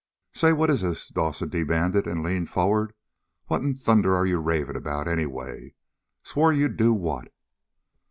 "Say, what is this?" Dawson demanded, and leaned forward. "What in thunder are you raving about, anyway? Swore you'd do what?"